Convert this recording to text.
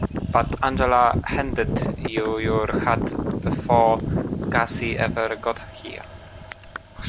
But Angela handed you your hat before Gussie ever got here.